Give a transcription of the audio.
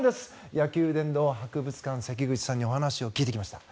野球殿堂博物館の関口さんに話を聞いてきました。